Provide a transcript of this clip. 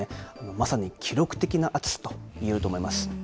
まさに記録的な暑さといえると思います。